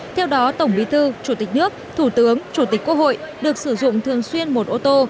theo đó tổng bí thư chủ tịch nước thủ tướng chủ tịch quốc hội được sử dụng thường xuyên một ô tô